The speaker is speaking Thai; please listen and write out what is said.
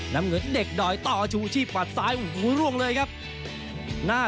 น้ำเงินเด็กดอยต่อชูชีพหัดซ้ายโอ้โหร่วงเลยครับหน้า